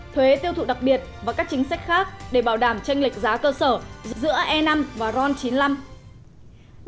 thuế tiêu thụ đặc biệt và các chính sách khác để bảo đảm tranh lệch giá cơ sở giữa e năm và ron chín mươi năm